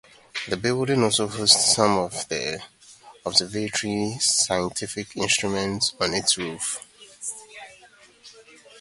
The building also hosts some of the observatory's scientific instruments on its roof.